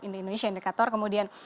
indonesia indikator kemudian